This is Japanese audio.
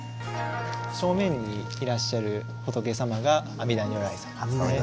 正面にいらっしゃる仏様が阿弥陀如来様。